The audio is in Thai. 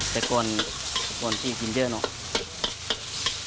แต่ก่อนที่กินเยอะเนอะ